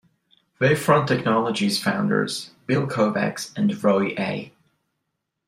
Wavefront Technologies founders Bill Kovacs and Roy A.